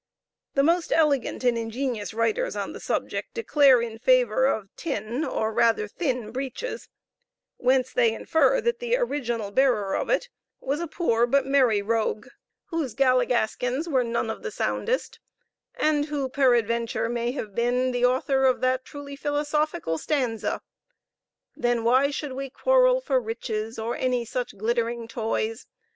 The most elegant and ingenious writers on the subject declare in favor of Tin, or rather Thin, Breeches; whence they infer that the original bearer of it was a poor but merry rogue, whose galligaskins were none of the soundest, and who, peradventure, may have been the author of that truly philosophical stanza: "Then why should we quarrel for riches, Or any such glittering toys?